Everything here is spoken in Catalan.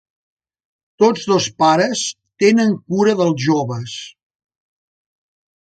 Tots dos pares tenen cura dels joves.